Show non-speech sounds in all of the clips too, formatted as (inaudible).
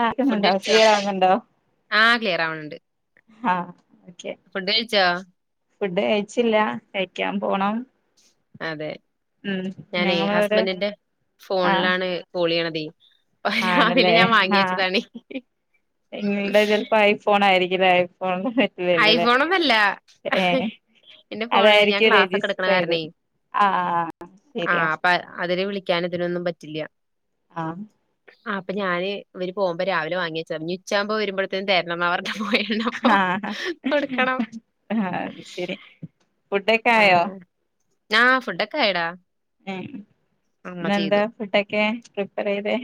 ആഹ് E (unintelligible) food ണ്ടോ കഴിച്ചോ? ക്ലിയറാവ്ന്ന്ണ്ടോ? ആഹ് ക്ലിയറാവ്ണ് ണ്ട്. ആഹ് ഓക്കെ ഫുഡ് കഴിച്ചോ? ഫുഡ് കഴിച്ചില്ല കഴിക്കാൻ പോണം. അതെ ഉം ഞാനെ ഞങ്ങളൊരു ഹസ്ബൻറിന്റെ ആഹ് ഫോണിലാണ് കോളെയ്യ്ണതെ രാവിലെ ആണല്ലേ ഞാൻ വാങ്ങി ആഹ് വെച്ചതാണ് ഫോണായിരിക്കില്ലേ അവര് ഫോണില് നെ ഐഫോണോന്നല്ല എന്റെ ഫോണില് ഞാൻ അതായിരിക്കും ക്ലാസ്സൊക്കെ എട്ക്ക്ണ രജിസ്റ്റർ കാരണെ ചെയ്തത് ആഹ് ശരിയാ ആഹ് അപ്പ അതില് വിളി ക്ക്യാനും ഇതിനൊന്നും പറ്റില്ല്യ. ആഹ് ആഹ് അപ്പ ഞാന് ഇവര് പോവുമ്പോ രാവിലെ വാങ്ങ്യച്ച ഇഞ്ഞ് ഉച്ചാവുമ്പോ വരുമ്പഴത്തേനും തരണം ന്നാ പർഞ്ഞിട്ട് പോയ (unintelligible) ആഹ് അത് ശെരി ഫുഡൊക്കായോ? ആഹ് ആഹ് ഫുഡൊക്കായടാ ഉം ഇന്നെന്താ ഫുഡെക്കെ പ്രിപ്പറെയ്തെ?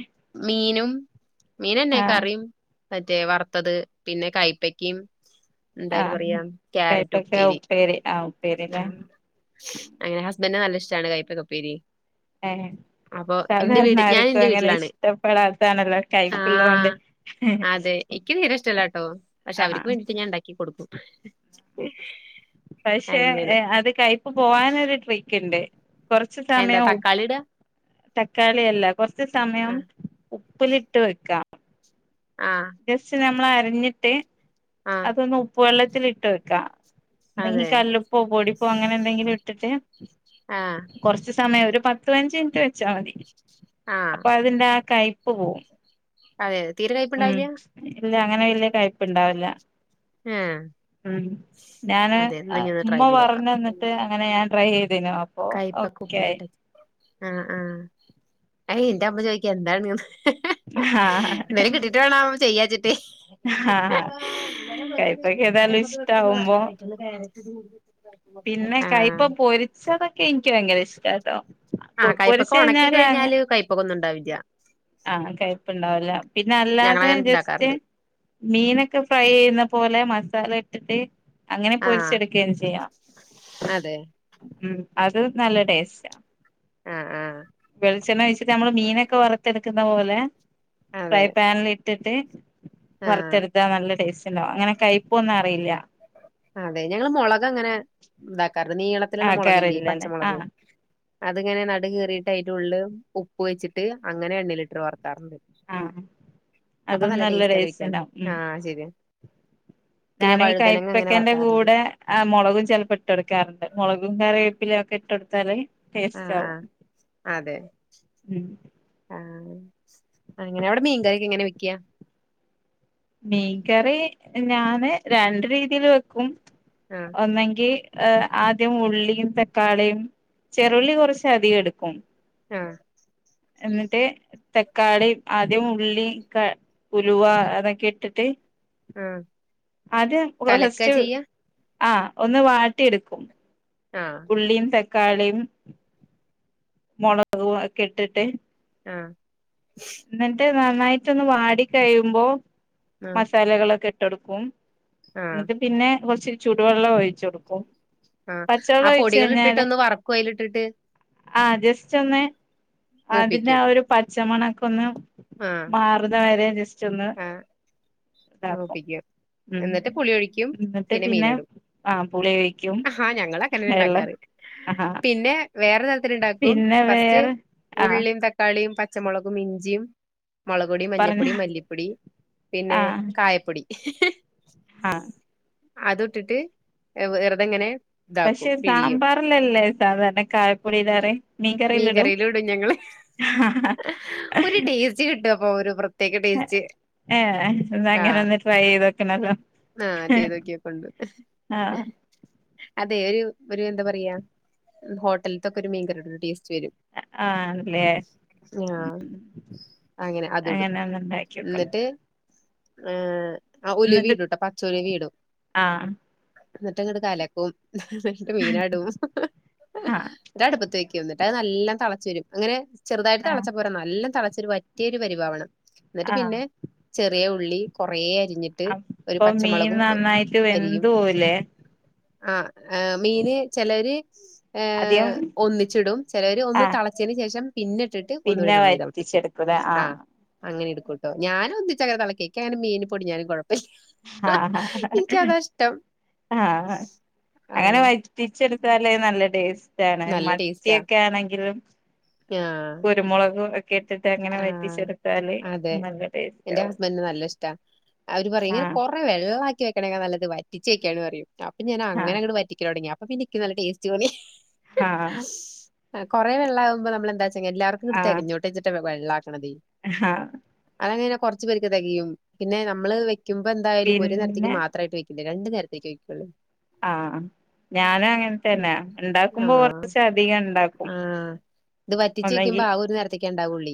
മീനെന്നെ കറിം മറ്റേ വറ്ത്തത് പിന്നെ കൈപ്പക്കിം എന്തായ്ന് ആഹ് പറയാ ക്യാരറ്റ് കയ്പ്പക്ക പ്പേരി. ഉപ്പേരി ആഹ് ഉപ്പേരില്ലേ എൻ്റെ ഹസ്ബെൻ്റിന് നല്ലിഷ്ട്ടാണ് കൈപ്പകപ്പേരി ഏഹ് സാധാരണ ഞാൻ ആര്ക്കും ഇന്റെ അങ്ങനെ വീട്ടിലാണ് ഇഷ്ടപ്പെടാത്താണല്ലോ കൈപ്പ്ള്ളോണ്ട് എനിക്കും തീരെ ഇഷ്ടല്ലാട്ടോ പക്ഷെ അവര്ക്ക് വേണ്ടിട്ട് ഞാൻ ണ്ടാക്കി കൊടുക്കും. പക്ഷെ അങ്ങനെ ഏഹ് അത് കയ്പ്പ് പോകാനൊരു ട്രിക്ക്ണ്ട്. കൊറച്ച് എന്താ സമയം തക്കാളി ഇടാ തക്കാളിയല്ല കൊറച്ച് സമയം ആഹ് ഉപ്പ്ല്ട്ട് വെക്ക. ആഹ് ജസ്റ്റ് നമ്മളരഞ്ഞ്ട്ട് ആഹ് ഒന്ന് ഉപ്പ് വെള്ളത്തില്ട്ട് വെക്ക. ഒന്നെങ്കിൽ അതെ കല്ലു പ്പോ പൊടിപ്പോ അങ്ങനെന്തെങ്കിലുട്ട്ട്ട് ആഹ് കൊറച്ച് സമയം ഒരു പത്ത് പയിനഞ്ച് മിൻറ്റ് വെച്ചാ മതി. ആഹ് അപ്പൊ അതിന്റെ ആ കയ്പ്പ് പോവും. അതെ തീരെ ഉം കൈപ്പ്ണ്ടാവില്ല്യാ? ഇല്ല അങ്ങനെ വല്ല്യേ കയ്പ്പ്ണ്ടാവില്ല. ഏഹ് ഉം ഞാന് ഉമ്മ ട്രൈ ചെയ്തോക്കാം പറഞ്ഞന്നിട്ട് അങ്ങനെ ഞാൻ ട്രൈ ചെയ്തേനു. അപ്പൊ കയ്പ്പക്ക ഓക്കെ ആയി ഉപ്പിലിട്ടത്. ആഹ് ആഹ് അയ് ഇന്റെ അമ്മ ചോയ്ക്കും എന്താണ്ന്ന്? ആഹ് എന്താലും കിട്ടീട്ട് വേണം ചെയ്യാച്ചിട്ടേ. ആഹ് കയ്പ്പക്ക ഏതായാലും ഇഷ്ടാവുമ്പോ- ഇന്ന് കാരറ്റ് (unintelligible) പിന്നെ കൈപ്പ പൊരിച്ചതൊക്കെ എനിക്ക് ഭയങ്കര ഇഷ്ടാട്ടോ. ആഹ് കയ്പ്പക്ക പൊരിച്ച് ഒണക്കി അങ്ങ് കഴിഞ്ഞാല് കയ്പൊകൊന്നുണ്ടാവില്ല്യ. ആഹ് കയപ്ണ്ടാവില്ല പിന്നെ അല്ലാതെ ഞങ്ങളങ്ങനെ ജസ്റ്റ്- ഇണ്ടാക്കാറുണ്ട് മീനൊക്കെ ഫ്രൈ ചെയ്യുന്ന പോലെ മസാല ഇട്ടിട്ട് അങ്ങനെ ആഹ് പൊരിച്ചെടുക്കെയും ചെയ്യാം. അതെ ഉം അത് നല്ല ടേസ്റ്റ. ആഹ് ആഹ് വെളിച്ചെണ്ണ ഒഴിച്ചിട്ട് നമ്മള് മീനൊക്കെ വറ- ത്തെടുക്കുന്ന പോലെ ഫ്രൈ അതെ പാനിൽ ഇട്ടിട്ട്- ആഹ് വറുത്തെടുത്താ നല്ല ടേസ്റ്റ്ണ്ടാവും. അങ്ങനെ കയ്പ്പോന്നും അറിയില്ല. അതെ ഞങ്ങള് മൊളക് അങ്ങനെ ഇതാക്കാറ്ണ്ട് നീളത്തില്ള്ള മൊളക് ല്ലേ ആക്കാറില്ലല്ലേ പച്ചമൊളക്. ആഹ് അത്ങ്ങനെ നടു കീറീട്ട് അയിന്റെ ഉള്ള് ഉപ്പ് വെച്ച്ട്ട് അങ്ങനെ എണ്ണിലിട്ട് വറക്കാറ്ണ്ട്. ആഹ് അപ്പ അതും നല്ല ടേസ്റ്റാ ടേസ്റ്റ് കഴിക്കാന് ഉണ്ടാവും ആഹ് ശരിയാ. പിന്നെ ഞാനീ വഴുതനങ്ങ അങ്ങനെ കൈപ്പക്കന്റെ വറക്കാറുണ്ട് കൂടെ- ആഹ് മൊളകും ചെലപ്പോ ഇട്ട്കൊട്ക്കാറ്ണ്ട്. മൊളകും കറിവേപ്പിലേം ഒക്കെ ഇട്ട്കൊട്ത്താല് - ആഹ് ടേസ്റ്റാവും ആഹ് അതെ ഉം. ആഹ് അങ്ങനെ അവടെ മീൻകറ്യോക്കെ എങ്ങനെ വെക്ക്യ? മീൻകറി ഞാന് രണ്ട് രീതീല് വെക്കും. ആഹ് ഒന്നെങ്കി ആദ്യം ഉള്ളിയും തക്കാളിയും ചെറുള്ളി കൊറച്ച് അധികം എടുക്കും. ആഹ് എന്നിട്ട് തക്കാളി ആദ്യം ഉള്ളി ക ഉലുവ അതൊക്കെ ഇട്ടിട്ട്- ആഹ് ആദ്യം കലക്കാ ഫസ്റ്റ് ചെയ്യാ ആഹ് ഒന്ന് വാട്ടി എട്ക്കും. ആഹ് ഉള്ളിയും, തക്കാളിയും മൊളകും ഒക്കെ ഇട്ട്ട്ട്, ആഹ് ഇന്ന്ട്ട് നന്നായിട്ടൊന്ന് വാടി കഴിയുമ്പോ ആഹ് മസാലകളൊക്കെ ഇട്ടൊട്ക്കും. ആഹ് ഇന്ന്ട്ട് പിന്നെ കൊറച്ച് ചൂടുവെള്ളം ഒഴിച്ച് കൊടുക്കും. ആഹ് ആ പച്ചവെള്ളം ഒഴിച്ച് പൊടികൾ ഇട്ടിട്ട് കഴിഞ്ഞാല് ഒന്ന് വറക്കോ അയ്ല് ഇട്ട്ട്ട്? ആഹ് ജസ്റ്റൊന്ന്. അതിന്റെ മൂപ്പിക്കും ആ ഒരു പച്ചമണൊക്കെ ഒന്ന് ആഹ് മാറുന്ന വരെ ജസ്റ്റ് ഒന്ന്- ഇതാക്കും മൂപ്പിക്കാ ഉം എന്നിട്ട് പുളി ഒഴിക്കും പിന്നെ മീന്ടും ആഹ് പുളി ഒഴിക്കും ഹാ ഞങ്ങളങ്ങനെ വെള്ളം ഇണ്ടാക്കാറ്. ആഹ് പിന്നെ വേറെ തരത്തി ഉണ്ടാക്കും പിന്നെ ഫസ്റ്റ് വേറെ ആഹ് ഉള്ളിയും ത ക്കാളിയും പച്ചമുളകും ഇഞ്ചിയും മുളക്പൊടി പറഞ്ഞോ മഞ്ഞപ്പൊടി മല്ലിപ്പൊടി പിന്നെ ആഹ് കായപ്പൊടി ആഹ് അത് ഇട്ടിട്ട് വെറുതെങ്ങനെ പക്ഷെ സാമ്പാറിലല്ലേ സാധാരണ കായ പൊടി ഇടാറ്. മീൻ മീൻകറിയിലിടും കറിയിലും ഇടും ഞങ്ങള്. ഒരു ടേസ്റ്റ് കിട്ടും അപ്പൊ ഒരു പ്രത്യേക ടേസ്റ്റ്. ഏ എന്നാ അങ്ങനെ ആഹ് ഒന്ന് ട്രൈ ചെയ്ത് നോക്കണല്ലോ. ആഹ് ചെയ്തോക്കിയൊക്കണ്ട്. ആഹ് അതെ ഒരു, ഒരു എന്താ പറയാ ഹോട്ടൽത്തൊക്കെ ഒരു മീൻകറിട ഒരു ടേസ്റ്റ് വരും. അഹ ആണല്ലേ ഉ. അങ്ങനെ അതുടും എന്നിട്ട്. ആ ഉലുവേം എന്നിട്ട് ഇടുട്ടോ പച്ച ഉലുവേം ഇടും. ആഹ് എന്നിട്ട്ങ്ങട് കലക്കും എന്നിട്ട് മീനാടും. ആഹ് എന്നിട്ടടു പ്പത്തേക്കും എന്നിട്ടത് നല്ല തെളച്ച് വരും അങ്ങനെ ചെറുതായിട്ട് ആഹ് തെളച്ച പോരാ നല്ലോം തെളച്ച് ഒര് വറ്റിയ ഒരു പരിവാവണം. എന്നിട്ട് ആഹ് പിന്നെ ചെറിയ ഉള്ളി കൊറെ അരിഞ്ഞിട്ട്. ഒരു അപ്പോ മീൻ പച്ചമുളകും നന്നായിട്ട് വെന്തു പോവുലേ? ആ അമീന് ചെലര്. ആദ്യം ഏഹ് ഒന്നിച്ചിടും ചെലര് ഒന്ന് ആഹ് തെളച്ചേന് ശേഷം. പിന്നിട്ടിട്ട് ഒന്നുകൂടെ പിന്നെ നന്നായി തെളപ്പിക്കും. വറ്റിച്ചെടുക്കൂലേ ആ ആഹ് അങ്ങനെ എടുക്കുട്ടോ ഞാൻ ഒന്നിച്ചങ്ങനെ തെളപ്പിക്കും എനിക്കങ്ങനെ മീന് പൊടിഞ്ഞാലും കുഴപ്പല്ല. ആഹ എനിക്കതാ ഇഷ്ടം ആ അങ്ങനെ ആഹ് വ റ്റിച്ചെടുത്താലെ നല്ല ടേസ്റ്റാണ്. നല്ല ടേസ്റ്റാ മത്തിയക്കെ ആണെങ്കിൽ പൊ ആഹ് കുരുമുളക് ഒക്കെ ഇട്ടിട്ട് അങ്ങനെ ആഹ് വറ്റിച്ചെടുത്താല് നല്ല ടേസ്റ്റ് ആവും. ന്നെ നല്ല ഇഷ്ട അവര് പറയും ഇങ്ങനെ ആഹ് കൊറെ വെള്ളാക്കി വെക്കണെക്കാ നല്ലത് വറ്റിച്ച് വക്കാണ് പറയും. അപ്പൊ ഞാൻ അങ്ങനെ ആഹ് അങ്ങട് വറ്റിക്കലൊടങ്ങി അപ്പൊ പിന്നെക്ക് നല്ല ടേസ്റ്റ് തോന്നി. ആഹ് കൊറെ വെള്ളാവുമ്പോ നമ്മളെന്താച്ചങ്ങ എല്ലാർക്കും ഇത് തെകഞ്ഞോട്ടെ. ഇ വെള്ളാക്കണത്. ഇഹ. അതങ്ങനനെ കൊറച്ച് പേർക്ക് തെകയും. പിന്നെ നമ്മള് വെക്കുമ്പോ എന്തായാലും ഒരു നേരത്തേക്ക് പിന്നെ മാത്രായിട്ട് വെ ഇല്ല രണ്ട് നേരത്തേക്ക് വെയ്ക്കുള്ളൂ. ആഹ് ഞാനും അങ്ങനെതന്നെ ഇണ്ടാക്കുമ്പോ ആഹ് കൊറച്ചധികം ഇണ്ടാക്കും. ആഹ് ഇത് വറ്റിച്ച് ഒന്നെങ്കി വെക്കുമ്പോ ആ ഒരു നേരത്തേക്കെ ഉണ്ടാവുള്ളി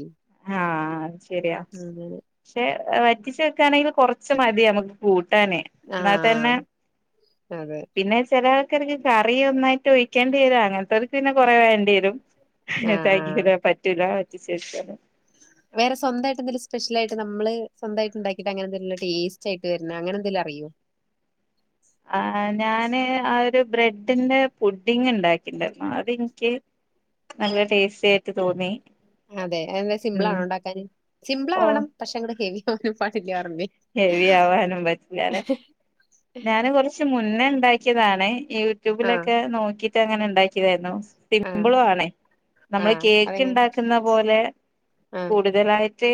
ആഹ് അത് ശരിയാ. അങ്ങനെ പക്ഷെ വറ്റിച്ച് വെക്കാണെങ്കിൽ കൊറച്ച് മതി നമുക്ക് കൂട്ടാനേ. എന്നാ തന്നെ ആഹ് അതെ പിന്നെ ചെല. കറി ഒന്നായിട്ട് ഒഴിക്കേണ്ടി വരും അങ്ങനത്തവർക്ക് പിന്നെ കൊറേ വേണ്ടി വരും. ആഹ് ആഹ് ഇവിടെ പറ്റൂല വറ്റിച്ച് വെക്കാൻ. വേറെസ്വന്തായിട്ടെന്തെലും സ്പെഷ്യലായിട്ട് നമ്മള് സ്വന്തായിട്ട് ഉണ്ടാക്കിട്ട് അങ്ങനെന്തെങ്കിലും ടെസ്റ്റായിട്ട് വരണ അങ്ങനെന്തെലും അറിയോ? ആ ഞാന് ആ ഒരു ബ്രെഡിന്റെ പുഡിങ് ഉണ്ടാക്കിണ്ടരുന്നു. അതെനിക്ക് നല്ല ടേസ്റ്റി ആയിട്ട് തോന്നി. അതെ അതെന്താ സിമ്പിള് ഉം ആണോ ഉണ്ടാക്കാൻ സിമ്പിള് ഓ ആവണം പക്ഷേ അങ്ങട് ഹെവി. പാട്ടില്ലാറില്ലേ ഹെവി ആവാനും പറ്റില്ലാല്ലെ ഞാന് കൊറച്ച് മുന്നേ ഇണ്ടാക്കിയതാണേ. ആഹ് യൂട്യൂബിലൊക്കെ നോക്കിട്ട് അങ്ങനെണ്ടാ യിരുന്നു ആഹ് സിമ്പിളും ആണേ നമ്മള് ആഹ് കേക്ക് അതെങ്ങനെ ഇണ്ടാക്കുന്ന പോലെ. ആഹ് കൂടുതലായിട്ട്.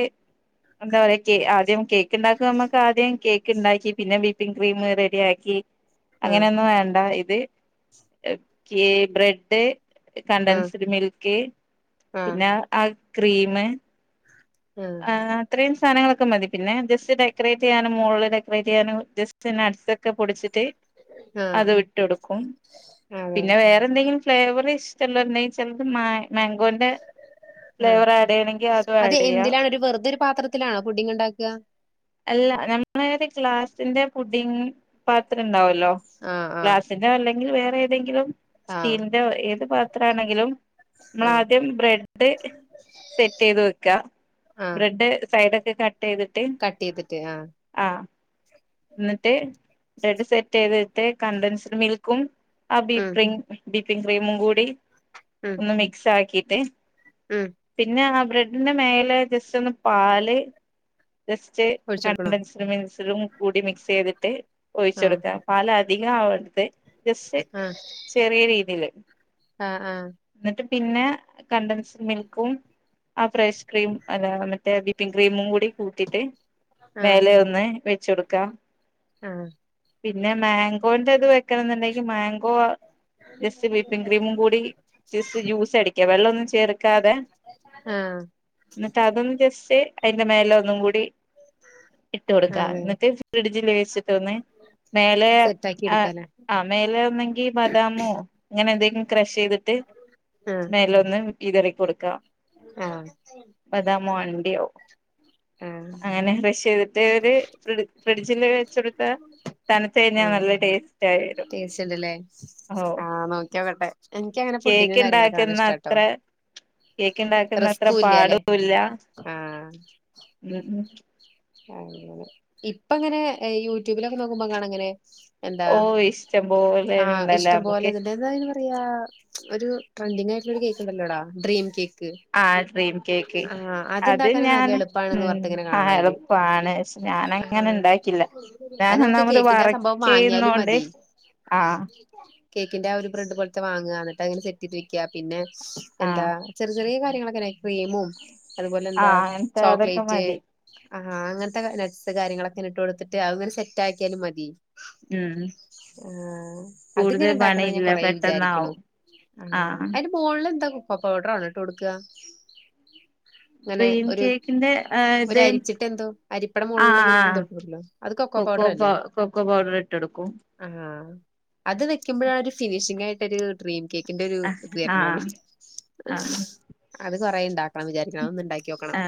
എന്താ പറയാ കേ ആദ്യം കേക്ക് ഇണ്ടാക്കും നമുക്ക് ആദ്യം കേക്ക് ഇണ്ടാക്കി പിന്നെ വി ക്രീം റെഡിയാക്കി ആഹ് അങ്ങനെയൊന്നും വേണ്ട ഇത്. ബ്രെഡ് കണ്ടൻസ്ഡ് മിൽക്ക് ആഹ് പിന്നെ. ആ ക്രീമ്. ആഹ് ഇത്രയും സാധനങ്ങളൊക്കെ മതി പിന്നെ ജസ്റ്റ് ഡെക്കറേറ്റ് ചെയ്യാനും മുകളിൽ ഡെക്കറേറ്റ് ചെയ്യാനും ജസ്റ്റ് നട്സ് ഒക്കെ പൊടിച്ചിട്ട് അത് ആഹ് ഇട്ടൊടുക്കും ആഹ് അതെ പിന്നെ വേറെ എന്തെങ്കിലും ഫ്ലേവർ ഇഷ്ടല്ല ന ചലത് മാ മാങ്കോന്റെ ആഹ് ഫ്ലേവർ ആഡ് ചെയ്യണെങ്കിൽ അതും അത് ആഡ് ചെയ്യാം എന്തിലാണ് ഒരു വെറതരു പാത്ര ത്തിലാണോ പുടിങ് ഉണ്ടാക്കുക അല്ല നമ്മള ഒരു ഗ്ലാസ്സിന്റെ പുഡിങ് പാത്രം ഉണ്ടാവല്ലോ ആഹ് ആഹ് ഗ്ലാസിന്റെ അല്ലെങ്കിൽ വേറെ ഏതെങ്കിലും ആഹ് സ്റ്റീലിന്റോ ഏത് പാത്രമാണെങ്കിലും നമ്മൾ ആഹ് ആദ്യം ബ്രെഡ് സെറ്റ് ചെയ്ത് വെക്ക ആഹ് ബ്രെഡ് സൈഡ ഒക്കെ കട്ട് ചെയ്തിട്ട് കട്ട് ചെയ്തിട്ട് ആഹ് ആഹ് എന്നിട്ട് ബ്രെഡ് സെറ്റ് ചെയ്ത് ട്ട് കണ്ടൻസ്ഡ് മിൽക്കും ആ ഉം ബീപ ബീപ്പിങ് ക്രീമും കൂടി ഉം ഒന്ന് മിക്സ് ആക്കിട്ട് ഉം പിന്നെ ആ ബ്രെഡിന്റെ മേലെ ജസ്റ്റ് ഒന്ന് പാല് ജസ്റ്റ് ഒഴിച്ചൊടുക്കണോ കണ്ടൻസിലും മിൻസിലും കൂടി മിക്സ് ചെയ്തിട്ട് ഒഴിച്ച ആഹ് കൊടുക്കാം പാല അധികം ആവണ്ടത് ജസ്റ്റ് ആഹ് ചെറിയ രീതിയില് ആഹ് ആഹ് എന്നിട്ട് പിന്നെ കണ്ടൻസ്ഡ് മിൽക്കും ആ ഫ്രഷ് ക്രീം അല്ലാ മ റ്റെവിപ്പിംഗ് ക്രീമും കൂടി കൂട്ടിട്ട് ആഹ് മേലെ ഒന്ന് വെച്ച് കൊടുക്കാം ആഹ് പിന്നെ മാങ്കോന്റെ അത് വെക്കണം എന്നുണ്ടെങ്കിൽ മാ ങ്കോ ജസ്റ്റ് വിപ്പിംഗ് ക്രീമും കൂടി ജസ്റ്റ് ജ്യൂസ് അടിക്ക വെള്ളം ഒന്നും ചേർക്കാതെ ആഹ് എന്നിട്ട് അതൊന്ന് ജസ്റ്റ് അതിന്റെ മേലെ ഒന്നും കൂടി ഇട്ട് കൊടുക്കാ അതെ എന്നിട്ട് ഫ്രിഡ്ജിൽ വിച്ചിട്ടൊന്ന് മേലെ സെറ്റാക്കി ആഹ് എടുക്കാലേ ആഹ് മേലെ ഒന്നെങ്കി ബദാമോ അങ്ങനെ എന്തെങ്കിലും ക്രഷ് ചെയ്തിട്ട് ആഹ് മേലെ ഒന്ന് വിതറി കൊടുക്കാം ആഹ് അണ്ടിയോ ആഹ് അങ്ങനെ ക്രെഷ് ചെയ്തിട്ട്‌ ഫ്രിഡ്ജില് വെച്ച് കൊടുത്താ തണത്ത് കഴിഞ്ഞ നല്ല ടേസ്റ്റ് ആയിവരും ടേസ്റ്റ് ഉണ്ടല്ലേ റ്റാൻസ് ആഹ് ആഹ് നോക്കിയോക്കട്ടെ എനിക്കങ്ങനെ കേക്ക് ഫുഡിങ്ങും കാര്യങ്ങളൊക്കെ നല്ല ഇണ്ടാക്കുന്ന ഇഷ്ടാട്ടോ അത്ര കേക്ക ഉണ്ടാക്കുന്ന അത്ര റിസ്കും ഇല്ല്യാല്ലേ പാടും ഇല്ല ആഹ് അങ്ങനെ ഇപ്പ എങ്ങനെ യൂട്യൂബിലൊക്കെ നോക്കുമ്പോ കാണങ്ങനെ എന്താ ഓ ഇഷ്ടം പോലെ ആഹ് ഉണ്ടല്ലോ ഇഷ്ടം പോലെ നമുക്ക് ഇതിന്റെ അതന്ന് പറയാ ഒരു ട്രെൻഡിങ് ആയിട്ടുള്ള ഒരു കേക്ക് ഉണ്ടല്ലോടാ ഡ്രീം കേക്ക് ആഹ് ഡ്രീം കേക്ക് ആഹ് അത് അത്ണ്ടാക്കാന് നല്ല ഞാന് ഉ എളുപ്പാണെന്ന് പറഞ്ഞിട്ട് ഇങ്ങനെ ആ കാണാ എളു അയില് പ്പാണ് ശെ ഞാന അങ്ങനെ ആഹ് ഇണ്ടാക്കില്ല ഞാൻ അത് നമുക്ക് ഒന്നാമത് കേക്കിന്റെ ആ വർക്ക് സംഭവം വാങ്ങിയാലും ചെയുന്നോണ്ട് മതി ആഹ് കേക്കിന്റെ ആ ഒരു ബ്രെഡ് പോലത്തെ വാങ്ങുക എന്നിട്ട് അങ്ങനെ സെറ്റ് ചെയ്ട്ട് വെക്കുക പിന്നെ ആ എന്താ ചെറിയ ചെറിയ കാര്യങ്ങളൊക്കെ ക്രീമും അതുപോലെ ആ എന്താ അങ്ങനത്തെ അതൊക്കെ ചോക്ലേറ്റ് മതി ആഹാ അങ്ങനത്തെ നട്സ് കാര്യങ്ങളൊക്കെ ഇട്ട് കൊടുത്തിട്ട് അങ്ങനെ സെറ്റ് ആക്കിയാലും മതി ഉം ആ അതിങ്ങനെ കൂടുതൽ ഉണ്ടാക്കണ ഞാൻ പണിയില്ല കൊറെ വിചാരിക്കണു പെട്ടെന്നാവും ആഹ ആ അതിന്റെ മോള്ല്ന്താ കൊക്കൊ പൗഡർ ആണോ ട്ട് കൊടുക്കുക ങ്ങനെ ഡ്രീം ഒരു കേക്കിന്റെ ഒര് ഇത് അരിച്ചിട്ട എന്തോ അരിപ്പട ആ മുകളിൽ ഇങ്ങനെ ആ എന്ത ഇട്ടില്ലോ അത് കൊക്കോ പൗഡർ പ അല്ലേ കൊക്കോ പൗഡർ ഇട്ട് കൊടുക്കും ആഹ അത് വെക്കുമ്പോഴ ഒരു ഫിനിഷിംഗ് ആയിട്ടൊരു ഡ്രീം കേക്കിന്റെ ഒരു ആ ഇ ആ തരണേ ഉള്ളൂ ആ അത് കൊറെ ഉണ്ടാക്ക ആ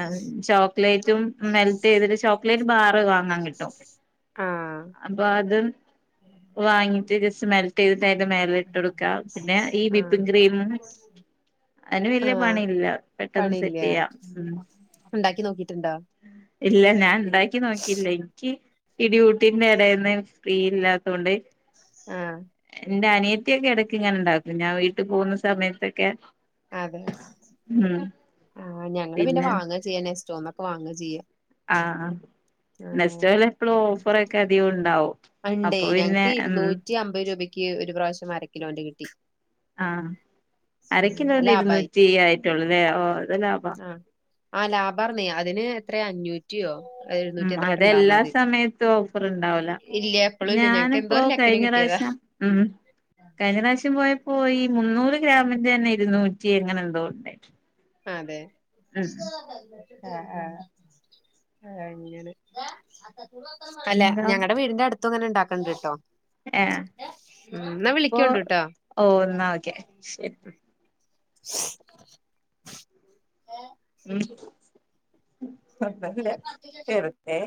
ചോക്ലേറ്റും മെൽറ്റ് ചെയ്തിട്ട് ചോക്ലേറ്റ് ബാറ് വാങ്ങാൻ കിട്ടും ആഹ അപ്പൊ അത് വാങ്ങിട്ട് ജസ്റ്റ്‌ മെൽ റ്റയ്ത് ട്ട് അതിന്റെ മേല ഇട്ട് കൊട്ക്കാം പിന്നെ ഈ ആഹ് വിപ്പിംഗ് ക്രീംും അതിന് വല്യ ആഹ് പണിയില്ല പെട്ടെന്ന് പണിയില്ല സെറ്റ് ചെയ്യാം ഉം ഉണ്ടാക്കി നോക്കിയിട്ടുണ്ടോ ഇല്ല ഞാൻ ഉണ്ടാക്കി നോക്കിയില്ല ഇ നിക്ക് ഈ ഡ്യൂട്ടിന്റെ ഇടന്ന് ഫ്രീ ഇല്ലാത്ത കൊണ്ട് ആഹ ന്റെ അനിയത്തിയൊക്കെ ഇടക്ക് ഇങ്ങനെ ഉണ്ടാക്കും ഞാൻ വീട്ടു പോകുന്ന സമയത്തൊക്കെ അതെ ഉം ആ ഞങ്ങള് പിന്നെ വാങ്ങ ചെയ്യ നസ്റ്റോന്നൊക്കെ വാങ്ങ ചെയ്യ ആഹ നെസ്റ്റോല് എപ്പളും ഓഫറ ഒക്കെ അധികം ഉണ്ടാവും അത്ണ്ടേ അപ്പൊ പിന്നെ ഞങ്ങക്ക് ഉം ഇരുുന്നൂറ്റി അമ്പത് രൂപയ്ക്ക് ഒരു പ്രാവശ്യം അരക്കിലോന്റെ കിട്ടി ആഹ ആഹ് അരക്കിലോന്ന് ലാഭായി ഇരുന്നൂറ്റിയ്യായിട്ടള്ളൂ അല്ലേ ഓ അത് ലാഭാ ആ ലാബാർന അതിന് എത്രയ അഞ്ഞൂറ്റിയോ അ ഉം അതെല്ലാ സമയത്തും ഓഫർ ഉണ്ടാവുല ഇല്ല എപ്പളും ഇല്ല ഞങ്ങക്ക് എന്തോ ഞാനിപ്പോ ഒരു ലക്കിന് കഴിഞ്ഞ കിട്ടിയതാ പ്രാവശ്യം ഉം കഴിഞ്ഞ പ്രാവശ്യം പോയപ്പോ ഈ മുന്നൂറ് ഗ്രാമിന്റെന്നെ ഇരുന്നു ചി ങ്ങനെ എന്തോണ്ടായി ആ അതെ ആഹ് ആഹ് ആ അങ്ങനെ അല്ല എന്താ ഞങ്ങളടെ വീടിന്റെ അടുത്തന്നൊന്ന് ഉണ്ടാക്കണ്ട്ട്ടോ ഏ ഇപ്പൊ വിളിക്കോണ്ടുട്ടോ ഓ ന്നാ ഓക്കെ ശരി (unintelligible) കൊയപല്ല വെറുതെ